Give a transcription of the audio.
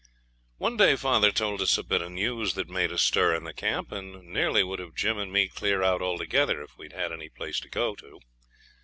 One day father told us a bit of news that made a stir in the camp, and nearly would have Jim and me clear out altogether if we'd had any place to go to.